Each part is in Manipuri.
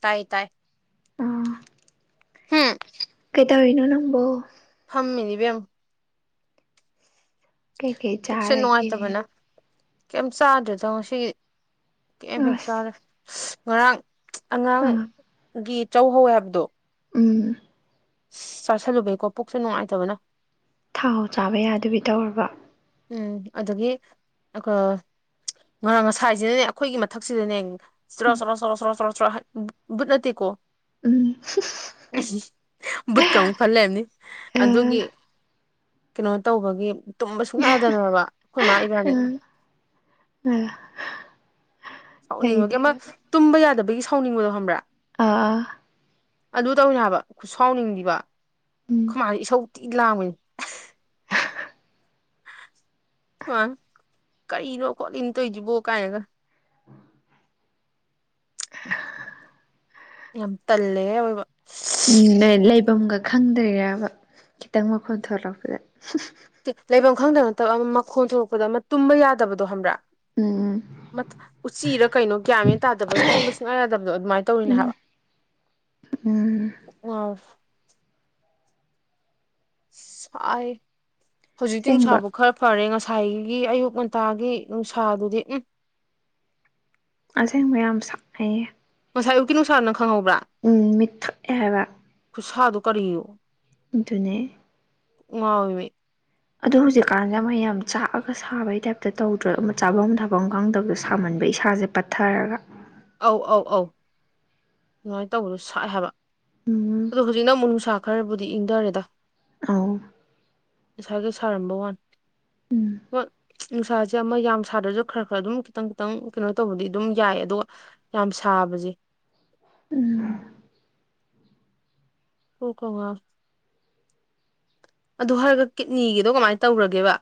ꯇꯥꯏ ꯇꯥꯏ ꯑꯥ ꯍꯨꯝ ꯀꯩꯇꯧꯔꯤꯅꯣ ꯅꯪꯕꯣ ꯐꯝꯃꯤꯅꯤꯕ ꯌꯥꯝ ꯀꯩꯀꯩ ꯄꯨꯛꯁꯦ ꯆꯥꯔꯒꯦ ꯅꯨꯡꯉꯥꯏꯇꯕꯅ ꯀꯩꯝ ꯆꯥꯗ꯭ꯔꯦꯗ ꯉ ꯁꯤ ꯀꯩꯝ ꯍꯦꯛ ꯑꯁ ꯆꯥꯔꯦ ꯉꯔꯥꯡ ꯑꯥ ꯑꯉꯥꯡꯒꯤ ꯆꯍꯧ ꯍꯥꯏꯕꯗꯣ ꯎꯝ ꯑ ꯆꯥꯥꯁꯜꯂꯨꯕꯩꯀꯣ ꯄꯨꯣꯛꯁꯦ ꯅꯨꯡꯉꯥꯏꯇꯕꯅ ꯊꯥꯎ ꯍꯥꯎ ꯆꯥꯕ ꯌꯥꯗꯕꯤ ꯇꯧꯔꯕ ꯎꯝ ꯑꯗꯨꯗꯒꯤ ꯉꯔꯥꯡ ꯉꯁꯥꯏꯁꯤꯅꯅꯦ ꯑꯩꯈꯣꯏꯒꯤ ꯃꯊꯛꯁꯤꯗꯅꯦ ꯁ꯭ꯔꯣ ꯎꯝ ꯁ꯭ꯔꯣ ꯁ꯭ꯔꯣ ꯁꯔꯣ ꯁꯔꯣ ꯍꯛ ꯚꯨꯠ ꯅꯠꯇꯦ ꯀꯣ꯫ ꯎꯝ [unintelligible] ꯕꯨꯠꯀ ꯑꯃꯨꯛ ꯐꯜ ꯂꯩꯝꯅꯤ ꯑꯗꯨꯒꯤ ꯀꯩꯅꯣ ꯇꯧꯕꯒꯤ ꯇꯨꯝꯕ ꯁꯨꯡꯌꯥ ꯌꯥꯗꯅꯕ ꯑꯩꯈꯣꯏ ꯃꯥ ꯏꯕꯥꯅꯤ ꯎꯝ ꯁꯥꯎꯅꯤꯡꯕꯒꯤ ꯑꯃ ꯇꯨꯝꯕ ꯌꯥꯗꯕꯒꯤ ꯁꯥꯎꯅꯤꯡꯕꯗꯣ ꯈꯪꯕ꯭ꯔꯥ ꯑꯥ ꯑꯥ ꯑꯗꯨ ꯇꯧꯅꯤ ꯍꯥꯏꯕ ꯈꯨꯠꯁꯥꯎꯅꯤꯡꯗꯤꯕ ꯎꯝ ꯑꯩꯈꯣꯏꯃꯥꯁꯦ ꯏꯁꯧ ꯇꯤ ꯂꯥꯡꯕꯅꯤ ꯑ ꯀꯔꯤꯅꯣ ꯈꯣꯠꯂꯤꯅ ꯇꯣꯏꯁꯤꯕꯣ ꯀꯥꯏꯅꯒ ꯌꯥꯝ ꯇꯜꯂꯦ ꯑꯣꯏꯕ ꯎ ꯂꯩꯐꯝꯒ ꯈꯪꯗ꯭ꯔ ꯌꯥꯕ ꯈꯤꯇꯪ ꯃꯈꯣꯟ ꯊꯣꯛꯂꯛꯄꯗ ꯂꯩꯐꯝ ꯈꯪꯗ ꯅꯠꯇꯕ ꯑꯃ ꯃꯈꯣꯡ ꯊꯣꯛꯂꯛꯄꯗ ꯑꯃ ꯇꯨꯝꯕ ꯌꯥꯗꯕꯗꯣ ꯍꯪꯕ꯭ꯔꯥ ꯎꯝ ꯎꯆꯤꯔ ꯀꯩꯅꯣ ꯀꯌꯥꯃꯦꯟ ꯇꯥꯗꯕꯒꯤ ꯇꯨꯝꯕ ꯁꯤꯡꯉ ꯌꯥꯗꯕꯗꯣ ꯑꯗꯨꯃꯥꯏꯅ ꯇꯧꯔꯤꯅꯦ ꯎꯝ ꯍꯥꯏꯕ [inaudible] ꯎꯝ ꯑ [unintelligible] ꯁꯥꯏ ꯍꯧꯖꯤꯛꯇꯤ ꯑꯁꯦꯡꯕ ꯅꯨꯡꯁꯥꯕꯨ ꯈꯔ ꯐꯔꯦ ꯉꯁꯥꯏꯒꯤ ꯑꯌꯨꯛ ꯉꯟꯇꯥꯒꯤ ꯅꯨꯡꯁꯥꯗꯨꯗꯤ ꯎꯝ ꯑꯁꯦꯡꯕ ꯌꯥꯝ ꯁꯥꯎꯅꯤꯡꯉꯦ ꯉꯁꯥꯏ ꯑꯌꯨꯛꯀꯤ ꯅꯨꯡꯁꯥ ꯅꯪ ꯈꯪꯍꯧꯕ꯭ꯔꯥ ꯎꯝ ꯃꯤꯠꯊꯣꯛꯑꯦ ꯍꯥꯏꯕ ꯈꯨꯁꯥꯗꯣ ꯀꯔꯤꯅꯣ ꯑꯗꯨꯅꯦ ꯉꯥꯎꯋꯦꯕ ꯑꯗꯣ ꯍꯧꯖꯤꯛꯀꯥꯟꯗ ꯃꯌꯥꯝ ꯆꯥꯛꯑꯒ ꯁꯥꯕꯒꯤ ꯇꯥꯏꯞꯇ ꯇꯧꯗ꯭ꯔꯣ ꯆꯥꯐꯝ ꯊꯛꯐꯝ ꯈꯪꯗꯕꯗ ꯁꯥꯃꯟꯕ ꯏꯁꯥꯁꯦ ꯄꯠꯊꯔꯒ ꯑꯧ ꯑꯧ ꯑꯧ ꯑꯗꯨꯃꯥꯏꯅ ꯇꯧꯕꯗꯣ ꯁꯥꯏꯦ ꯍꯥꯏꯕ ꯎꯝ ꯑꯗꯣ ꯍꯧꯖꯤꯛꯅ ꯑꯃꯨꯛ ꯅꯨꯡꯁꯥ ꯈꯔꯕꯨꯗꯤ ꯏꯪꯊꯔꯦꯗ ꯎꯝ ꯉꯁꯥꯏ ꯁꯥꯔꯝꯕ ꯋꯥꯅꯦ ꯎꯝ ꯍꯣꯏ ꯅꯨꯡꯁꯥꯁꯦ ꯑꯃ ꯌꯥꯝ ꯁꯥꯗ꯭ꯔꯁꯨ ꯈꯔ ꯈꯔ ꯑꯗꯨꯝ ꯈꯤꯇꯪ ꯈꯤꯇꯪ ꯀꯩꯅꯣ ꯇꯧꯕꯗꯤ ꯑꯗꯨꯝ ꯌꯥꯏ ꯑꯗꯨꯒ ꯌꯥꯝ ꯁꯥꯕꯁꯦ ꯎꯝ ꯀꯣꯛꯀ ꯉꯥꯎꯋꯦ ꯑꯗꯨ ꯍꯥꯏꯔꯒ ꯀꯤꯠꯅꯤꯒꯤꯗꯣ ꯀꯃꯥꯏꯅ ꯇꯧꯒꯔꯒꯦꯕ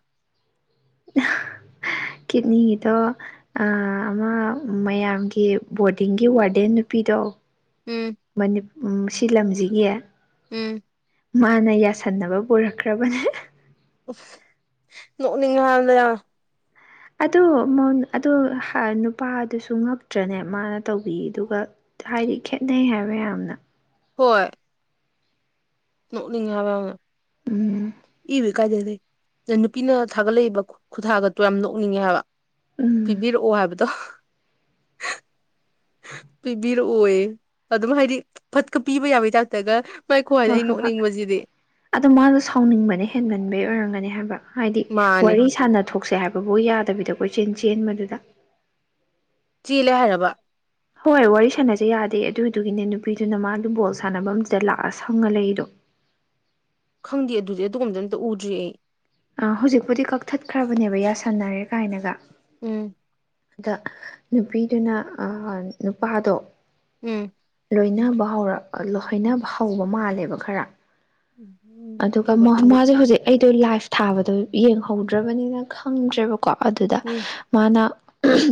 ꯀꯤꯠꯅꯤꯒꯤꯗꯣ ꯑꯥ ꯑꯃ ꯃꯌꯥꯝꯒꯤ ꯕꯣꯔꯗꯤꯡꯒꯤ ꯋꯥꯔꯗꯦꯟ ꯅꯨꯄꯤꯗꯣ ꯎꯝ ꯁꯤ ꯂꯝꯁꯤꯒꯤ ꯎꯝ ꯃꯥꯅ ꯌꯥꯁꯟꯅꯕ ꯄꯨꯔꯛꯈ꯭ꯔꯕꯅꯦ ꯅꯣꯛꯅꯤꯡꯉꯦ ꯍꯥꯕꯅꯤꯗ ꯌꯥꯝꯅ ꯑꯗꯨ ꯑꯗꯨ ꯅꯨꯄꯥꯗꯨꯁꯨ ꯉꯛꯇ꯭ꯔꯅꯦ ꯃꯥꯅ ꯇꯧꯕꯤꯔꯤꯗꯨꯒ ꯍꯥꯏꯗꯤ ꯈꯦꯠꯅꯩ ꯍꯥꯏꯕ ꯌꯥꯝꯅ ꯍꯣꯏ ꯅꯣꯛꯅꯤꯡꯉꯦ ꯍꯥꯏꯕ ꯌꯥꯝꯅ ꯎꯝ ꯄꯤꯗ꯭ꯔ ꯀꯥꯏꯗꯗꯦ ꯅꯨꯄꯤꯅ ꯊꯥꯒꯠꯂꯛꯏꯕ ꯈꯨꯊꯥꯒꯠꯇꯣ ꯌꯥꯝ ꯅꯣꯛꯅꯤꯡꯉꯦ ꯍꯥꯏꯕ ꯎꯝ ꯄꯤꯕꯤꯔꯛꯑꯣ ꯍꯥꯏꯕꯗꯣ ꯄꯤꯕꯤꯔꯛꯑꯣꯌꯦ ꯑꯗꯨꯝ ꯍꯥꯏꯗꯤ ꯐꯠꯀ ꯄꯤꯕ ꯌꯥꯕꯩ ꯇꯥꯏꯞꯇꯒ ꯃꯥꯏ ꯈꯨꯍꯥꯏꯗꯣ ꯍꯣꯏ ꯑꯩ ꯍꯣꯏ ꯍꯣꯏ ꯅꯣꯛꯅꯤꯡꯕꯁꯤꯗꯤ ꯑꯗꯣ ꯃꯥꯗꯣ ꯁꯥꯎꯅꯤꯡꯕꯅ ꯍꯦꯟꯃꯟꯕꯅ ꯑꯣꯏꯔꯝꯒꯅꯧ ꯍꯥꯏꯕ ꯍꯥꯏꯗꯤ ꯃꯥꯅꯦ ꯋꯥꯔꯤ ꯁꯥꯟꯅ ꯊꯣꯛꯁꯦ ꯍꯥꯏꯕ ꯑꯕꯕꯨ ꯌꯥꯗꯕꯤꯗꯣ ꯀꯣꯏꯆꯦꯟ ꯆꯦꯟꯕꯗꯨꯗ ꯆꯦꯜꯂꯦ ꯍꯥꯏꯔꯕ ꯍꯣꯏ ꯋꯥꯔꯤ ꯁꯥꯟꯅꯖꯩ ꯌꯥꯗꯦ ꯑꯗꯨꯗꯨꯒꯤꯅꯦ ꯅꯨꯄꯤꯗꯨꯅ ꯃꯥ ꯑꯗꯨ ꯕꯣꯜ ꯁꯥꯟꯅꯕ ꯑꯗꯨꯗ ꯂꯥꯛꯑ ꯁꯪꯉ ꯂꯩꯗꯣ ꯈꯪꯗꯦ ꯑꯗꯨꯗꯤ ꯑꯗꯣꯝꯗꯅꯝꯇ ꯎꯗ꯭ꯔꯤ ꯑꯩ ꯍꯧꯖꯤꯛꯄꯨꯗꯤ ꯀꯛꯊꯠꯈ꯭ꯔꯕꯅꯦꯕ ꯌꯥꯁꯟꯅꯔꯦ ꯀꯥꯏꯅꯒ ꯎꯝ ꯑꯗ ꯅꯨꯄꯤꯗꯨꯅ ꯅꯨꯄꯥꯗꯣ ꯎꯝ ꯂꯣꯏꯅꯕ ꯍꯧꯔ ꯍꯣꯏꯅꯕ ꯍꯧꯕ ꯃꯥꯜꯂꯦꯕ ꯈꯔ ꯎꯝ ꯑꯗꯨꯒ ꯀ ꯀꯩꯕ ꯃꯍ ꯅꯨ ꯃꯖꯦ ꯍꯧꯖꯤꯛ ꯑꯩꯗꯣ ꯂꯥꯏꯐ ꯊꯥꯕꯗꯣ ꯌꯦꯡꯍꯧꯗ꯭ꯔꯕꯅꯤꯅ ꯈꯪꯗ꯭ꯔꯦꯕꯀꯣ ꯑꯗꯨꯗ ꯎꯝ ꯃꯥꯅ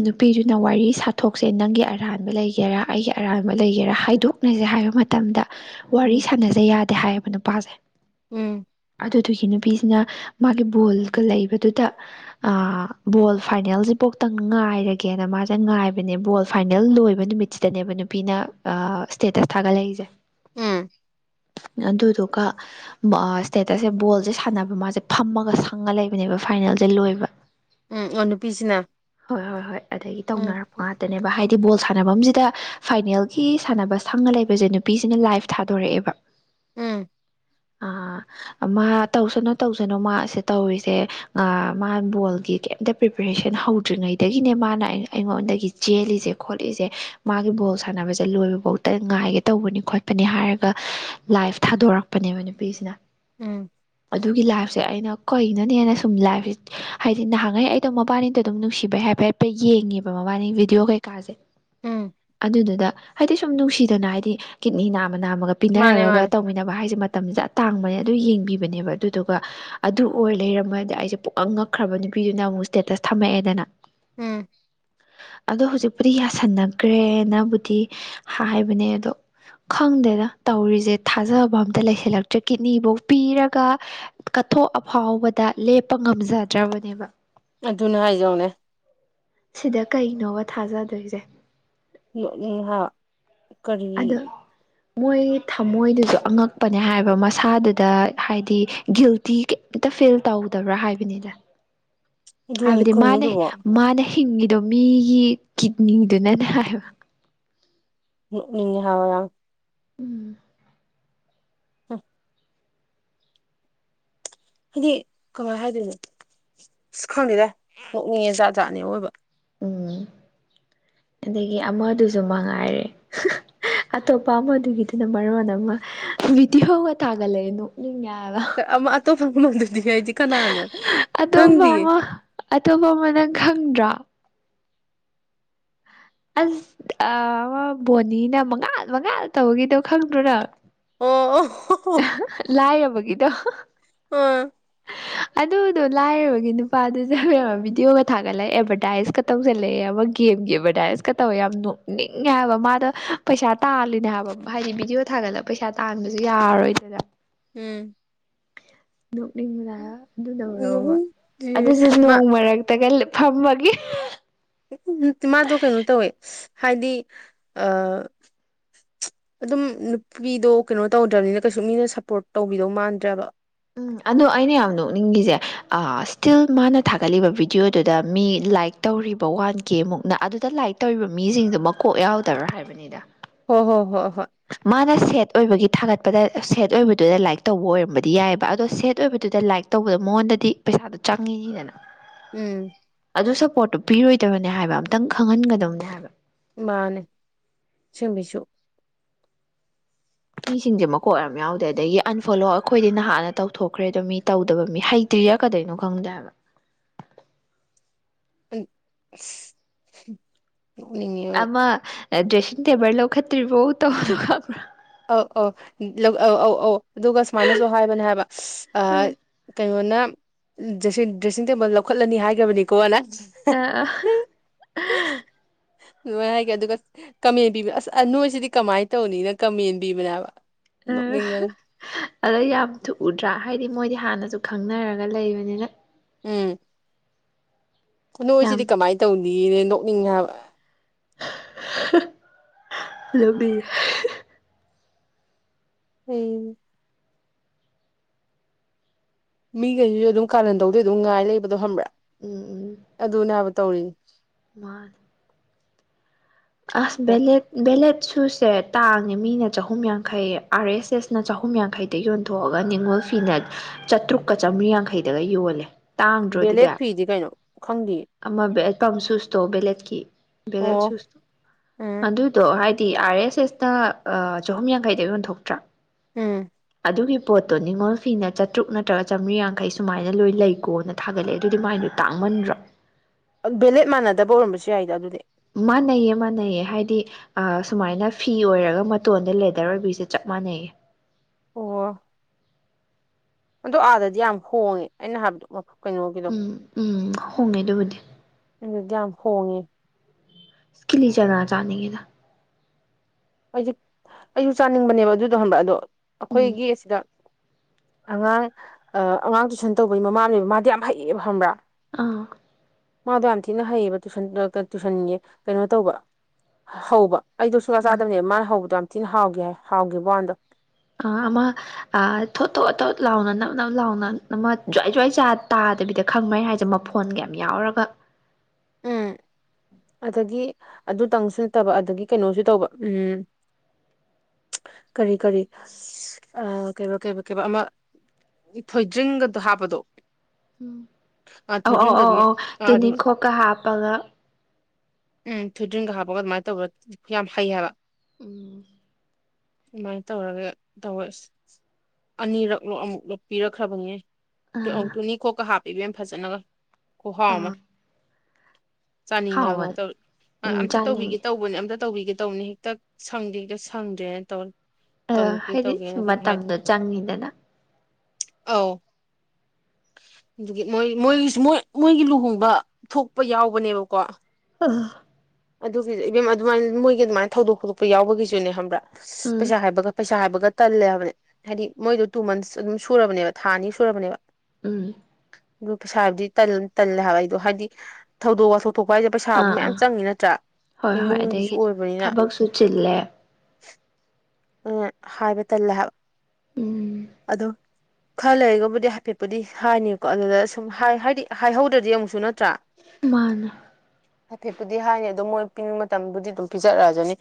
ꯅꯨꯄꯤꯗꯨꯅ ꯋꯥꯔꯤ ꯁꯥꯗꯣꯛꯁꯦ ꯅꯪꯒꯤ ꯑꯔꯥꯟꯕ ꯂꯩꯒꯦꯔꯥ ꯑꯩꯒꯤ ꯑꯔꯥꯟꯕ ꯂꯩꯒꯦꯔꯥ ꯍꯥꯏꯗꯨ ꯄꯛꯅꯖꯦ ꯍꯥꯏꯕ ꯃꯇꯝꯗ ꯋꯥꯔꯤ ꯎꯝ ꯁꯥꯟꯅꯖ ꯌꯥꯗꯦ ꯍꯥꯏꯌꯦꯕ ꯅꯨꯄꯥꯁꯦ ꯎꯝ ꯑꯗꯨꯗꯨꯒꯤ ꯅꯨꯄꯤꯁꯤꯅ ꯃꯥꯒꯤ ꯕꯣꯜꯒ ꯂꯩꯕꯗꯨꯗ ꯑꯥ ꯕꯣꯜ ꯐꯥꯏꯅꯦꯜꯁꯦ ꯄꯨꯡꯇꯥ ꯉꯥꯏꯔꯒꯦꯅ ꯃꯥꯁꯦ ꯉꯥꯏꯕꯅꯦ ꯕꯣꯜ ꯐꯥꯏꯅꯦꯜ ꯂꯣꯏꯕ ꯅꯨꯃꯤꯠꯁꯤꯗꯅꯦꯕ ꯅꯨꯄꯤꯅ ꯑꯥ ꯁ꯭ꯇꯦꯇꯁ ꯊꯥꯒꯠꯂꯛꯏꯁꯦ ꯎꯝ ꯑꯗꯨꯗꯨꯒ ꯁꯇꯦꯠ ꯁꯦ ꯕꯣꯜꯁꯦ ꯁꯥꯟꯅꯕ ꯃꯥꯁꯦ ꯐꯝꯃꯒ ꯁꯪꯉ ꯂꯩꯕꯅꯦꯕ ꯐꯥꯏꯅꯦꯜꯁꯦ ꯂꯣꯏꯕ ꯎꯝ ꯑꯣ ꯅꯨꯄꯤꯁꯤꯅ ꯍꯣꯏ ꯍꯣꯏ ꯍꯣꯏ ꯑꯗꯒꯤ ꯎꯝ ꯇꯧꯅꯔꯛꯄ ꯉꯥꯛꯇꯅꯦꯕ ꯍꯥꯏꯗꯤ ꯕꯣꯜ ꯁꯥꯟꯅꯐꯝꯁꯤꯗ ꯐꯥꯏꯅꯦꯜꯒꯤ ꯁꯥꯟꯅꯕ ꯁꯪꯉ ꯂꯩꯕꯁꯦ ꯅꯨꯄꯤꯁꯤꯅ ꯂꯥꯏꯐ ꯊꯥꯗꯣꯔꯛꯑꯦꯕ ꯎꯝ ꯑꯥ ꯃꯥ ꯇꯧꯁꯅꯨ ꯇꯧꯁꯅꯨ ꯃꯥꯁꯦ ꯇꯧꯔꯤꯁꯦ ꯃꯥ ꯕꯣꯜꯒꯤ ꯀꯩꯝꯇ ꯄ꯭ꯔꯤꯄꯦꯔꯦꯁꯟ ꯍꯧ ꯍꯧꯇ꯭ꯔꯤꯉꯩꯗꯒꯤꯅꯦ ꯃꯥꯅ ꯑꯩꯉꯣꯟꯗꯒꯤ ꯆꯦꯜꯂꯤꯁꯦ ꯈꯣꯠꯂꯤꯁꯦ ꯃꯥꯒꯤ ꯕꯣꯜ ꯁꯥꯟꯅꯕꯁꯦ ꯂꯣꯏꯕꯐꯧ ꯉꯥꯏꯒꯦ ꯇꯧꯕꯅꯤ ꯈꯣꯠꯄꯅꯤ ꯍꯥꯏꯔꯒ ꯂꯥꯏꯐ ꯊꯥꯗꯣꯔꯛꯄꯅꯦꯕ ꯅꯨꯄꯤꯁꯤꯅ ꯎꯝ ꯑꯗꯨꯒꯤ ꯂꯥꯏꯐꯁꯦ ꯑꯩꯅ ꯀꯏꯅꯅꯦꯅ ꯁꯨꯝ ꯂꯥꯏꯐꯁꯦ ꯍꯥꯏꯗꯤ ꯅꯍꯥꯟꯉꯩ ꯑꯩꯗꯣ ꯃꯕꯥꯅꯤꯗꯧ ꯑꯗꯨꯝ ꯅꯨꯡꯁꯤꯕꯩ ꯍꯥꯏꯐꯦꯠ ꯍꯥꯏꯐꯦ ꯌꯦꯡꯉꯦꯕ ꯃꯕꯥꯅꯤ ꯚꯤꯗꯤꯑꯣ ꯀꯩꯀꯥꯁꯦ ꯎꯝ ꯑꯗꯨꯗꯨꯗ ꯍꯥꯏꯗꯤ ꯁꯨꯝ ꯅꯨꯡꯁꯤꯗꯅ ꯍꯥꯏꯗꯤ ꯀꯤꯠꯅꯤ ꯅꯥꯝꯃ ꯅꯥꯝꯃꯒ ꯃꯥꯅꯦ ꯄꯤꯅꯔꯒ ꯃꯥꯅꯦ ꯇꯧꯃꯤꯟꯅ ꯇꯅꯕ ꯍꯥꯏꯁꯦ ꯃꯇꯝꯁꯤꯗ ꯑꯇꯥꯡꯕꯅꯦ ꯑꯗꯨ ꯌꯦꯡꯕꯤꯕꯅꯦꯕ ꯑꯗꯨꯗꯨꯒ ꯑꯗꯨ ꯑꯣꯏ ꯂꯩꯔꯝꯃꯗꯤ ꯑꯩꯁꯦ ꯄꯨꯀꯪ ꯉꯛꯈ꯭ꯔꯕ ꯅꯨꯄꯤꯗꯨꯅ ꯑꯃꯨꯛ ꯏꯁꯇꯦꯇꯁ ꯊꯝꯃꯛꯑꯦꯗꯅ ꯎꯝ ꯑꯗꯣ ꯍꯧꯖꯤꯛꯄꯨꯗꯤ ꯌꯥꯁꯟꯅꯈ꯭ꯔꯦꯅꯕꯨꯗꯤ ꯍꯥꯏꯕꯅꯦ ꯑꯗꯣ ꯈꯪꯗꯦꯅ ꯇꯧꯔꯤꯁꯦ ꯊꯥꯖꯕ ꯑꯝꯇ ꯂꯩꯁꯤꯜꯂꯛꯇ꯭ꯔꯦ ꯀꯤꯠꯅꯤꯐꯧ ꯄꯤꯔꯒ ꯀꯠꯊꯣꯛꯑꯐꯥꯎꯕꯗ ꯂꯦꯞꯄ ꯉꯝꯖꯗ꯭ꯔꯕꯅꯦꯕ ꯑꯗꯨ ꯑꯗꯨꯅ ꯍꯥꯏꯖꯧꯅꯦ ꯁꯤꯗ ꯀꯩꯅꯣꯕ ꯊꯥꯖꯗꯣꯏꯁꯦ ꯎꯝ ꯍꯥ ꯑꯗ ꯃꯣꯏ ꯊꯃꯣꯏꯗꯨꯁꯨ ꯑꯉꯛꯄꯅꯦ ꯍꯥꯏꯕ ꯃꯁꯥꯗꯨꯗ ꯍꯥꯏꯗꯤ ꯒꯤꯜꯇꯤ ꯑꯦꯇ ꯐꯤꯜ ꯇꯧꯗꯕ꯭ꯔꯥ ꯍꯥꯏꯕꯅꯤꯗ [inaudible] ꯍꯥꯏꯕꯗꯤ ꯀꯩꯅꯣ ꯃꯥꯅ ꯑꯗꯨꯕꯣ ꯃꯥꯅ ꯍꯤꯡꯉꯤꯗꯣ ꯃꯤꯒꯤ ꯀꯤꯠꯅꯤꯗꯨꯅꯅꯦ ꯍꯥꯏꯕ ꯎꯅꯤꯡꯍ ꯎꯝ ꯑ ꯍꯥꯏꯗꯤ ꯀꯃꯥꯏꯅ ꯍꯥꯏꯗꯣꯏꯅꯣ ꯑ ꯈꯪꯗꯦꯗ ꯅꯣꯛꯅꯤꯡꯉꯦ ꯖꯥꯠ ꯖꯥꯠꯅꯦ ꯑꯣꯏꯕ ꯎꯝ [inaudible] ꯑꯗꯒꯤ ꯑꯃꯗꯨꯁꯨ ꯃꯉꯥꯏꯔꯦ ꯑꯇꯣꯞꯄ ꯑꯃꯗꯨꯒꯤꯗꯨꯅ ꯃꯔꯣꯟ ꯑꯃ ꯚꯗꯤꯑꯣꯒ ꯊꯥꯒꯠꯂꯛꯑꯦ ꯅꯣꯛꯅꯤꯡꯉꯕ ꯑꯇꯣꯞꯄ ꯑꯃꯜꯗꯗꯤ ꯍꯥꯏꯗꯤ ꯀꯅꯥꯅꯣ ꯑꯇꯣꯞꯄ ꯈꯪꯗꯤꯌꯦ ꯑꯃ ꯑꯇꯣꯞꯄ ꯑꯃ ꯅꯪ ꯈꯪꯗ꯭ꯔꯣ ꯑꯁ ꯕꯣꯅꯤꯅ ꯃꯉꯥꯜ ꯃꯉꯥꯜ ꯇꯧꯕꯒꯤꯗꯣ ꯈꯪꯗ꯭ꯔꯣ ꯅꯪ [unintelligible] ꯂꯑꯕꯒꯤꯗ ꯑꯥ ꯑꯗꯨꯗꯣ ꯂꯥꯏꯔꯕꯒꯤ ꯅꯨꯄꯥꯗꯨ ꯆꯪꯕ ꯚꯗꯤꯑꯣꯒ ꯊꯥꯒꯠꯂꯒ ꯑꯦꯗꯚꯔꯇꯥꯏꯁ ꯇꯧꯁꯤꯜꯂꯛꯑꯦ ꯑꯃ ꯒꯦꯝꯒꯤ ꯑꯦꯗꯚꯔꯗꯥꯏꯁꯀ ꯇꯧꯋꯦ ꯌꯥꯝ ꯅꯣꯛꯅꯤꯡꯉꯦ ꯍꯥꯏꯕ ꯃꯥꯗ ꯄꯩꯁꯥ ꯇꯥꯜꯂꯤꯅꯦ ꯍꯥꯏꯕ ꯑꯃ ꯍꯥꯏꯗꯤ ꯕꯤꯗꯤꯑꯣ ꯊꯥꯒꯠꯂꯒ ꯄꯩꯁꯥ ꯇꯥꯟꯕꯁꯨ ꯌꯥꯔꯣꯏꯗꯅ ꯎꯝ ꯅꯣꯛꯅꯤꯡꯕꯗ ꯑꯗꯨꯗꯧꯔꯣꯕ ꯎꯝ ꯁꯤꯔꯦ ꯑꯗꯨꯁꯨ ꯃꯥ ꯅꯣꯡ ꯃꯔꯛꯇꯒ ꯐꯝꯃꯒꯤ ꯃꯥꯗꯣ ꯀꯩꯅꯣ ꯇꯧꯋꯦ ꯍꯥꯏꯗꯤ ꯑ ꯑꯗꯨꯝ ꯅꯨꯄꯤꯗꯣ ꯀꯩꯅꯣ ꯇꯧꯗ꯭ꯔꯕꯅꯤꯅ ꯀꯩꯁꯨ ꯃꯤꯅ ꯁꯞꯄꯣꯔꯠ ꯇꯧꯕꯤꯗꯧ ꯃꯥꯟꯗ꯭ꯔꯕ ꯑꯗꯣ ꯑꯩꯅ ꯌꯥꯝ ꯅꯣꯛꯅꯤꯡꯉꯤꯁꯦ ꯁ꯭ꯇꯤꯜ ꯃꯥꯅ ꯊꯥꯒꯠꯂꯤꯕ ꯕꯤꯗꯤꯑꯣꯗꯨꯗ ꯃꯤ ꯂꯥꯏꯛ ꯇꯧꯔꯤꯕ ꯋꯥꯟ ꯀꯦ ꯃꯨꯛꯅ ꯑꯗꯨꯗ ꯂꯥꯏꯔꯤꯛ ꯇꯧꯔꯤꯕ ꯃꯤꯁꯤꯡꯗꯨ ꯃꯀꯣꯛ ꯌꯥꯎꯗꯕ꯭ꯔꯥ ꯍꯥꯏꯕꯅꯤꯗ ꯍꯣ ꯍꯣ ꯍꯣ ꯍꯣꯏ ꯃꯥꯅ ꯁꯦꯠ ꯑꯣꯏꯕꯒꯤ ꯊꯥꯒꯠꯄꯗ ꯁꯦꯠ ꯑꯣꯏꯕꯗꯨꯗ ꯂꯥꯏꯛ ꯇꯧꯕ ꯑꯣꯏꯔꯝꯕꯗꯤ ꯌꯥꯏꯑꯕ ꯑꯗꯣ ꯁꯦꯠ ꯑꯣꯏꯕꯗꯨꯗ ꯂꯥꯏꯛ ꯇꯧꯕꯗ ꯃꯉꯣꯟꯗꯗꯤ ꯄꯩꯁꯥꯗꯣ ꯆꯪꯉꯤꯅꯤꯗꯅ ꯎꯝ ꯑꯗꯨ ꯁꯞꯄꯣꯔꯠꯇꯨ ꯄꯤꯔꯣꯏꯗꯕꯅꯦ ꯍꯥꯏꯕ ꯑꯝꯇꯪ ꯈꯪꯍꯟꯒꯗꯕꯅꯦ ꯍꯥꯏꯕ ꯃꯥꯅꯦ ꯆꯪꯕꯤꯁꯨ ꯃꯤꯁꯤꯡꯁꯦ ꯃꯀꯣꯛꯔꯝ ꯌꯥꯎꯗꯦ ꯑꯗꯒꯤ ꯑꯟꯐꯣꯂꯣ ꯑꯩꯈꯣꯏꯗꯤ ꯅꯍꯥꯟꯅ ꯇꯧꯊꯣꯛꯈ꯭ꯔꯦꯗꯣ ꯃꯤ ꯇꯧꯗꯕ ꯃꯤ ꯍꯩ ꯇꯔꯤꯌꯥ ꯀꯗꯩꯅꯣ ꯈꯪꯗꯦꯕ ꯎ ꯑꯃ ꯗ꯭ꯔꯦꯁꯤꯡ ꯇꯦꯕꯜ ꯂꯧꯈꯠꯇ꯭ꯔꯤꯕ ꯇꯧꯗꯣ ꯈꯕ꯭ꯔꯥ ꯑꯥꯎ ꯑ ꯑ ꯑꯧ ꯑꯧ ꯑꯗꯨꯒ ꯁꯨꯃꯥꯏꯅꯁꯨ ꯍꯥꯏꯕꯅꯦ ꯍꯥꯏꯕ ꯀꯩꯅꯣꯅ ꯗ꯭ꯔꯦꯁꯤꯡ ꯇꯦꯕꯜ ꯂꯧꯈꯠꯂꯅꯤ ꯍꯥꯏꯈ꯭ꯔꯕꯅꯤꯀꯣ ꯑꯅ ꯑ ꯑꯗꯨꯃꯥꯏꯅ ꯍꯥꯏꯒꯦ ꯑꯗꯨꯒ ꯀꯃꯦꯟ ꯄꯤꯕꯤ ꯑꯁ ꯅꯣꯏꯁꯤꯗꯤ ꯀꯃꯥꯏꯅ ꯇꯧꯅꯤꯅ ꯀꯃꯗꯤ ꯃꯅꯕ ꯑ ꯑꯗꯣ ꯌꯥꯝ ꯊꯨꯎꯗ꯭ꯔꯥ ꯍꯥꯏꯗꯤ ꯃꯣꯏꯗꯤ ꯍꯥꯟꯅꯁꯨ ꯈꯪꯅꯔꯒ ꯂꯩꯕꯅꯤꯅ ꯎꯝ ꯌꯥꯝ ꯅꯣꯏꯁꯤꯗꯤ ꯀꯃꯥꯏꯅ ꯇꯧꯅꯤꯅꯦ ꯅꯣꯛꯅꯤꯡ ꯍꯥꯏꯕ ꯍꯂꯕꯤ ꯍ ꯃꯤꯈꯩꯁꯤꯁꯨ ꯑꯗꯨꯝ ꯀꯥꯅꯟ ꯇꯧꯗꯤ ꯑꯗꯨꯝ ꯉꯥꯏ ꯂꯩꯕꯗꯣ ꯍꯕ꯭ꯔꯥ ꯎꯝ ꯑꯗꯨꯅꯦ ꯍꯥꯏꯕ ꯇꯧꯔꯤ ꯃꯥꯜ ꯑꯁ ꯚꯦꯂꯦꯠ ꯚꯦꯂꯦꯠ ꯁꯨꯁꯦ ꯇꯥꯡꯉꯦ ꯃꯤꯅ ꯆꯍꯨꯝ ꯌꯥꯡꯈꯩ ꯑꯥꯔ ꯑꯦꯁ ꯑꯦꯁ ꯅ ꯆꯍꯨꯝ ꯌꯥꯡꯈꯩꯗ ꯌꯣꯟꯊꯣꯛꯑꯒ ꯅꯤꯉꯣꯜ ꯐꯤꯅ ꯆꯥꯇ꯭ꯔꯨꯛꯀ ꯆꯥꯝꯔꯤ ꯌꯥꯡꯈꯩꯗꯒ ꯌꯣꯜꯂꯦ ꯇꯥꯡꯗ꯭ꯔꯣ ꯑꯗꯨꯗꯤ ꯕꯦꯂꯦ ꯐꯤꯗꯤ ꯀꯩꯅꯣ ꯈꯪꯗꯦ ꯑꯃ ꯇꯝ ꯁꯨꯁꯊꯣ ꯕꯂꯦꯠꯀꯤ ꯚꯦꯂꯦꯠ ꯁꯨꯁ ꯎ ꯑꯗꯨꯗꯣ ꯍꯥꯏꯗꯤ ꯑꯥꯔ ꯑꯦꯁ ꯑꯦꯁꯅ ꯆꯍꯨꯝ ꯌꯥꯡꯈꯩꯗꯒꯤ ꯑꯣꯟꯊꯣꯛꯇ꯭ꯔꯥ ꯎꯝ ꯑꯗꯨꯒꯤ ꯄꯣꯠꯇꯣ ꯅꯤꯉꯣꯜ ꯐꯤꯅ ꯆꯥꯇ꯭ꯔꯨꯛ ꯅꯠꯇ꯭ꯔꯒ ꯆꯥꯝꯔꯤ ꯌꯥꯡꯈꯩ ꯁꯨꯃꯥꯏꯅ ꯂꯣꯏ ꯂꯩꯀꯣꯅ ꯊꯥꯒꯠꯂꯛꯑꯦ ꯑꯗꯨꯗꯤ ꯃꯥꯏꯗꯣ ꯇꯥꯡꯃꯟꯗ꯭ꯔꯣ ꯕꯦꯂꯦꯠ ꯃꯥꯟꯅꯗꯕ ꯑꯣꯏꯔꯝꯕꯁꯨ ꯌꯥꯏꯗ ꯑꯗꯨꯗꯤ ꯃꯥꯟꯅꯩꯌꯦ ꯃꯥꯟꯅꯩꯌꯦ ꯍꯥꯏꯗꯤ ꯑ ꯁꯨꯃꯥꯏꯅ ꯐꯤ ꯑꯣꯏꯔꯒ ꯃꯇꯣꯟꯗ ꯂꯦꯗꯔ ꯑꯣꯏꯕꯁꯦ ꯆꯞ ꯃꯥꯟꯅꯩꯌꯦ ꯑꯣ ꯑꯗꯣ ꯑꯥꯗꯗꯤ ꯌꯥꯝ ꯍꯣꯡꯉꯦ ꯑꯩꯅ ꯍꯥꯏꯕꯗꯣ ꯃꯐꯝ ꯎꯝ ꯎꯝ ꯍꯣꯡꯉꯦ ꯑꯗꯨꯕꯨꯗꯤ ꯑꯗꯨꯗꯤ ꯌꯥꯝ ꯍꯣꯡꯉꯦ ꯀꯤꯂꯤ ꯆꯅꯥ ꯆꯥꯅꯤꯡꯉꯤꯗ ꯑꯩꯁꯨ ꯑꯩꯁꯨ ꯆꯥꯅꯤꯡꯕꯅꯦꯕ ꯑꯗꯨ ꯇꯧ ꯍꯟꯕ ꯑꯗꯣ ꯎꯝ ꯑꯩꯈꯣꯏꯒꯤ ꯑꯁꯤꯗ ꯑꯉꯥꯡ ꯑꯉꯥꯡ ꯇꯨꯏꯁꯟ ꯇꯧꯕꯒꯤ ꯃꯃꯥꯅꯦꯕ ꯃꯥꯗꯤ ꯌꯥꯝ ꯍꯩꯌꯦꯕ ꯐꯪꯕ꯭ꯔꯥ ꯑꯥ ꯃꯥꯗꯣ ꯌꯥꯝ ꯊꯤꯅ ꯍꯩꯌꯦꯕ ꯇꯨꯁꯟ ꯇꯨꯋꯏꯁꯟꯒꯤ ꯀꯩꯅꯣ ꯇꯧꯕ ꯍꯧꯕ ꯑꯩꯗꯣ ꯁꯨꯡꯆ ꯎꯝ ꯆꯥꯗꯕꯅꯦ ꯃꯥꯅ ꯍꯧꯕꯗꯣ ꯌꯥꯝ ꯊꯤꯅ ꯍꯥꯎꯈꯤꯦ ꯍꯥꯏ ꯍꯥꯎꯈꯤꯕꯕ ꯋꯥꯟꯗꯣ ꯑꯥ ꯑꯃ ꯊꯣ ꯊꯣꯑ ꯊ ꯂꯥꯎꯅ ꯅꯞ ꯅꯞ ꯂꯥꯎꯅ ꯅ ꯖ꯭ꯋꯥꯏ ꯖ꯭ꯋꯥꯏ ꯆꯥ ꯇꯥꯗꯕꯤꯗ ꯈꯪꯕꯩ ꯍꯥꯏꯁꯦ ꯃꯐꯣꯟꯒ ꯌꯥꯝ ꯌꯥꯎꯔꯒ ꯎꯝ ꯑꯗꯒꯤ ꯑꯗꯨꯇꯪꯁꯨ ꯅꯠꯇꯕ ꯑꯗꯒꯤ ꯀꯩꯅꯣꯁꯨ ꯇꯧꯕ ꯎꯝ ꯀꯔꯤ ꯀꯔꯤ ꯑꯁ ꯑ ꯀꯩꯕ ꯀꯩꯕ ꯀꯩꯕ ꯑꯃ ꯊꯣꯏꯗ꯭ꯔꯤꯡꯒꯗꯣ ꯍꯥꯞꯄꯗꯣ ꯎꯝ ꯑ ꯑꯧ ꯑꯧ ꯊꯣꯏꯗ꯭ꯔꯤꯡꯒꯗꯤ ꯑꯧ ꯑꯧ ꯑ ꯑꯗꯨꯝ ꯇꯨꯅꯤꯈꯣꯛꯀ ꯍꯥꯞꯄꯒ ꯎꯝ ꯊꫭꯏꯗ꯭ꯔꯤꯡꯒ ꯍꯥꯞꯄꯒ ꯑꯗꯨꯃꯥꯏꯅ ꯇꯧꯕ ꯌꯥꯝ ꯍꯩ ꯍꯥꯏꯕ ꯎꯝ ꯑꯗꯨꯃꯥꯏ ꯇꯧꯔꯒ ꯇꯧꯋꯦ ꯑꯁ ꯑꯅꯤꯔꯛꯂꯣ ꯑꯃꯨꯛ ꯂꯣ ꯄꯤꯔꯛꯈ꯭ꯔꯕꯅꯦ ꯑꯧ ꯑꯥ ꯇꯨꯅꯤꯡꯈꯣꯛꯀ ꯍꯥꯞꯄꯤ ꯏꯕꯦꯝꯃ ꯐꯖꯅꯒ ꯈꯨꯍꯥꯎ ꯑꯃ ꯑꯥ ꯆꯥꯅꯤꯡꯉꯕ ꯍꯥꯎꯕꯅꯦ ꯇꯧꯔꯤ ꯎꯝ ꯑꯝꯇ ꯆꯥꯅꯤꯡꯉꯤ ꯇꯧꯕꯤꯒꯦ ꯇꯧꯕꯅꯤ ꯑꯝꯇ ꯇꯧꯕꯤꯒꯦ ꯇꯧꯕ ꯍꯦꯛ ꯇꯛ ꯁꯪꯗꯤꯒ ꯁꯪꯗ꯭ꯔꯦꯅ ꯇꯧꯔ ꯑꯥ ꯇꯧꯒꯦ ꯍꯥꯏꯗꯤ ꯁꯨꯝ ꯇꯧꯒꯦꯅꯗꯤ ꯍꯥꯏ ꯃꯇꯝꯗꯣ ꯆꯪꯉꯤꯗꯅ ꯑꯧ ꯑꯗꯨꯒꯤ ꯃꯣꯏ ꯃꯣꯏꯒꯤꯁꯨ ꯃꯣꯏ ꯃꯣꯏꯒꯤ ꯂꯨꯍꯣꯡꯕ ꯊꯣꯛꯄ ꯌꯥꯎꯕꯅꯦꯕꯀꯣ ꯑ ꯑꯗꯨꯒꯤꯁꯨ ꯏꯕꯦꯝ ꯑꯗꯨꯃꯥꯏꯅ ꯃꯣꯏꯒꯤ ꯑꯗꯨꯃꯥꯏꯅ ꯊꯧꯗꯣꯛ ꯊꫭꯛꯂꯛꯄ ꯌꯥꯎꯕꯒꯤꯁꯨꯅꯦ ꯈꯪꯕ꯭ꯔꯥ ꯎꯝ ꯄꯩꯁꯥ ꯍꯥꯏꯕꯒ ꯄꯩꯁꯥ ꯍꯥꯏꯕꯒ ꯇꯜꯂꯦ ꯍꯥꯏꯕꯅꯦ ꯍꯥꯏꯗꯤ ꯃꯣꯏꯗꯣ ꯇꯨ ꯃꯟꯁ ꯑꯗꯨꯝ ꯁꯨꯔꯕꯅꯦꯕ ꯊꯥ ꯑꯅꯤ ꯁꯨꯔꯕꯅꯦꯕ ꯎꯝ ꯑꯗꯨ ꯄꯩꯁꯥꯕꯨꯗꯤ ꯇꯜꯂꯦ ꯍꯥꯏꯕ ꯑꯩꯗꯣ ꯍꯥꯏꯗꯤ ꯊꯧꯗꯣꯛ ꯋꯥꯊꯣꯛ ꯊꯣꯛꯄ ꯍꯥꯏꯁꯦ ꯄꯩꯁꯥꯕꯨ ꯑꯥ ꯃꯌꯥꯝ ꯑꯥ ꯆꯪꯉꯤꯅ ꯇꯔ ꯍꯣꯏ ꯍꯣꯏ ꯏꯃꯨꯡꯒꯤꯁꯨ ꯑꯗꯒꯤ ꯑꯣꯏꯕꯅꯤꯅ ꯊꯕꯛꯁꯨ ꯆꯤꯜꯂꯦ ꯑ ꯍꯥꯏꯕ ꯇꯜꯂꯦ ꯍꯥꯏꯕ ꯎꯝ ꯑꯗꯣ ꯈꯔ ꯂꯩꯒꯕꯨꯗꯤ ꯍꯥꯏꯐꯦꯠꯄꯨꯗꯤ ꯍꯥꯏꯅꯤꯀꯣ ꯑꯗꯨꯗ ꯁꯨꯝ ꯍꯥꯏꯗꯤ ꯍꯥꯏꯍꯧꯗ꯭ꯔꯗꯤ ꯑꯃꯨꯛꯁꯨ ꯅꯠꯇ꯭ꯔꯥ ꯃꯥꯅꯦ ꯍꯥꯏꯐꯦꯠꯄꯨꯗꯤ ꯍꯥꯏꯅꯤ ꯑꯗꯨꯝ ꯃꯣꯏ ꯄꯤꯅꯤꯡ ꯃꯇꯝꯕꯨꯗꯤ ꯑꯗꯨꯝ ꯄꯤꯖꯔꯛꯑꯖꯅꯤ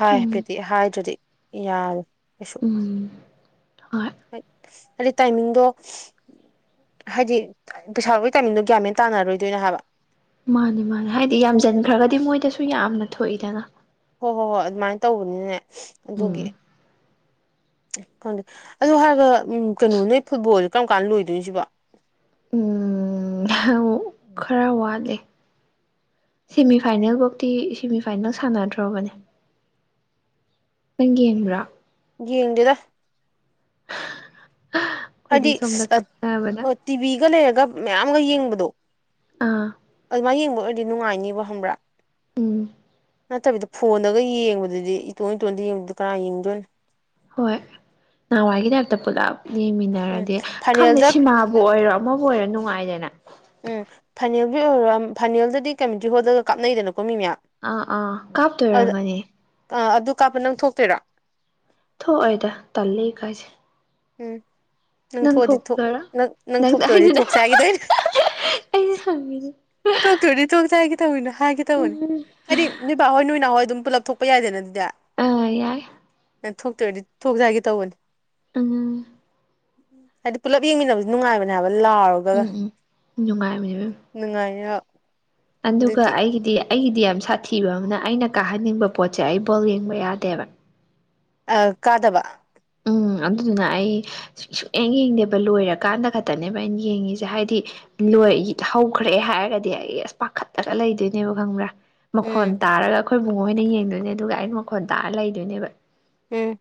ꯍꯥꯏ ꯎꯝ ꯍꯥꯏꯐꯦꯠꯇꯤ ꯍꯥꯏꯗ꯭ꯔꯗꯤ ꯌꯥꯔꫭꯏ ꯀꯩꯁꯨ ꯎꯝ ꯍꯣꯏ ꯍꫭꯏ ꯑꯗꯤ ꯇꯥꯏꯃꯤꯡꯗꯣ ꯍꯥꯏꯗꯤ ꯄꯩꯁꯥ ꯂꯧꯕꯩ ꯇꯥꯏꯃꯤꯡꯗꯣ ꯒꯌꯥꯟꯃꯦꯟ ꯇꯥꯟꯅꯔꯣꯏꯗꯣꯏꯅꯦ ꯍꯥꯏꯕ ꯃꯥꯅꯤ ꯃꯥꯅꯤ ꯍꯥꯏꯗꯤ ꯌꯥꯝꯖꯟꯈ꯭ꯔꯒꯗꯤ ꯃꯣꯏꯗꯁꯨ ꯌꯥꯝꯅ ꯊꯣꯛꯏꯗꯅ ꯍꯣꯏ ꯍꯣꯏ ꯍꯣꯏ ꯑꯗꯨꯃꯥꯏ ꯇꯧꯕꯅꯤꯅꯦ ꯑꯗꯨꯒꯤ ꯎꯝ ꯈꯪꯗꯦ ꯑꯗꯨ ꯍꯥꯏꯔꯒ ꯀꯩꯅꯣ ꯅꯣꯏ ꯐꯨꯠꯕꯣꯜꯁꯦ ꯀꯔꯝ ꯀꯥꯟꯗ ꯂꯣꯏꯗꯣꯏꯅꫭ ꯁꯤꯕꯣ ꯎꯝ ꯈꯔ ꯋꯥꯠꯂꯤ ꯁꯦꯃꯤꯐꯥꯏꯅꯦꯜ ꯐꯧꯇꯤ ꯁꯦꯃꯤꯐꯥꯏꯅꯦꯜ ꯁꯥꯟꯅꯗ꯭ꯔꫭꯕꯅꯦ ꯅꯪ ꯌꯦꯡꯕꯔꫭ ꯌꯦꯡꯗꯦꯗ ꯍꯥꯏꯗꯤ ꯑꯩꯈꯣꯏꯗꯤ ꯁꯣꯝꯗ ꯀꯞꯅꯕꯅ ꯇꯤꯚꯤꯒ ꯂꯩꯔꯒ ꯃꯌꯥꯝꯒ ꯌꯦꯡꯕꯗꯣ ꯑꯥ ꯃꯥꯏ ꯌꯦꯡꯕ ꯑꯣꯏꯔꯗꯤ ꯅꯨꯡꯉꯥꯏꯅꯤꯕ ꯈꯪꯕ꯭ꯔ ꯎꯝ ꯅꯠꯇꯕꯤꯗ ꯐꯣꯟꯗꯒ ꯌꯦꯡꯕꯗꯨꯗꯤ ꯏꯇꯣꯟ ꯏꯇꯣꯟꯗ ꯌꯦꯡꯕꯗꯨꯗ ꯀꯔꯥ ꯌꯦꯡꯗꯣꯏꯅꯣ ꯍꯣꯏ ꯅꯍꯥꯟꯋꯥꯏꯒꯤ ꯇꯥꯏꯞꯇ ꯄꯨꯂꯞ ꯎꯝ ꯌꯦꯡꯃꯤꯟꯅꯔꯗꯤ ꯈꯪꯗꯦ ꯐꯥꯏꯅꯦꯜꯗ ꯁꯤꯃꯥꯕꯨ ꯑꯣꯏꯔꯣ ꯃꯪ ꯑꯣꯏꯔ ꯅꯨꯡꯉꯥꯏꯗꯅ ꯎꯝ ꯐꯅꯜꯒꯤ ꯑꯣꯏꯔꯣ ꯐꯅꯜꯗꯗꯤ ꯀꯝꯃꯨꯅꯤꯇꯤ ꯍꯣꯜꯗꯒ ꯀꯥꯞꯅꯩꯗꯅꯀꯣ ꯃꯤ ꯃꯌꯥꯝ ꯑꯥ ꯑꯥ ꯀꯥꯞꯇꯣꯏꯔꯝꯒꯅꯤ ꯑ ꯑꯗꯨ ꯀꯥꯞꯄ ꯅꯪ ꯊꯣꯛꯇꯣꯏꯔꯣ ꯊꯣꯛꯑꫭꯏꯗ ꯇꯜꯂꯤ ꯏꯀꯥꯏꯖꯩ ꯎꯝ ꯅꯪ ꯊꯣꯛꯑꯗꯤ ꯊꫭꯛ ꯊꯣꯛꯇꯣꯏꯔꯥ ꯅꯪ ꯅꯪ ꯊꯣꯛꯇꯣꯏꯗꯤ ꯊꯣꯛꯆꯦ ꯍꯥꯏꯒꯦ ꯇꯧꯏꯅꯦ ꯍꯗꯤ [unintelligible] ꯇꯣꯛꯇꯣꯏꯔꯗꯤ ꯇꯣꯡ ꯆ ꯍꯥꯏꯒꯦ ꯇꯧꯤꯅꯣ ꯊꫭꯛꯇꫭꯏꯗꯤ ꯊꫭꯛꯁꯤ ꯍꯥꯏꯒꯦ ꯇꯧꯕꯅꯤ ꯍꯥꯏꯒꯦ ꯇꯧꯕꯅꯤ ꯍꯥꯏꯗꯤ ꯅꫭꯏꯕꯥꯍꯣꯏ ꯅꯣꯏꯅꯥꯎꯍꫭꯏ ꯑꯗꯨꯝ ꯄꯨꯂꯞ ꯊꯣꯛꯄ ꯌꯥꯏꯗꯅ ꯑꯗꯨꯗꯤ ꯌꯥ ꯌꯥꯏ ꯑ ꯊꯣꯛꯇꯣꯏꯔꯗꯤ ꯊꯣꯛꯁꯤ ꯍꯥꯏꯒꯦ ꯇꯧꯕꯅꯤ ꯎꯝ ꯍꯥꯏꯗꯤ ꯄꯨꯂꯞ ꯌꯦꯡꯃꯤꯟꯅꯕꯁꯤ ꯅꯨꯡꯉꯥꯏꯕꯅꯦ ꯍꯥꯏꯕ ꯂꯥꯎꯔꯒ ꯎꯝ ꯎꯝ ꯅꯨꯡꯉꯥꯏꯕꯅꯤ ꯏꯕꯦꯝ ꯅꯨꯡꯉꯥꯏꯌꯞ ꯑꯗꯨꯒ ꯑꯩꯒꯤꯗꯤ ꯑꯩꯒꯤꯗꯤ ꯌꯥꯝ ꯁꯥꯊꯤꯕ ꯑꯃꯅ ꯑꯩꯅ ꯀꯥꯍꯟꯅꯤꯡꯕ ꯄꯣꯠꯁꯦ ꯑꯩ ꯕꯣꯜ ꯌꯦꯡꯕ ꯌꯥꯗꯦꯕ ꯑ ꯀꯥꯗꯕ ꯎꯝ ꯑꯗꯨꯗꯨꯅ ꯑꯩ ꯁꯨꯛꯌꯦꯡ ꯌꯦꯡꯗꯦꯕ ꯂꯣꯏꯔꯀꯥꯟꯗ ꯈꯛꯇꯅꯦꯕ ꯑꯩꯅ ꯌꯦꯡꯉꯤꯁꯦ ꯍꯥꯏꯗꯤ ꯂꯣꯏ ꯍꯧꯈ꯭ꯔꯦ ꯍꯥꯏꯔꯒꯗꯤ ꯑꯩ ꯑꯁ ꯄꯥꯈꯠꯇꯔ ꯂꯩꯗꯣꯏꯅꯦꯕ ꯈꯪꯕ꯭ꯔꯥ ꯃꯈꯣꯟ ꯎꯝ ꯇꯥꯔꯒ ꯑꯩꯈꯣꯏꯕꯨꯡꯉꫭꯍꫭꯏꯅ ꯌꯦꯡꯗꯣꯏꯅꯦ ꯑꯗꯨꯒ ꯑꯩꯅ ꯃꯈꯣꯟꯜ ꯇꯥꯔ ꯂꯩꯗꯣꯏꯅꯦꯕ ꯎꯝ